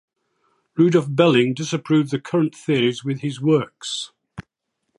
Rudolf Belling disproved the current theories with his works.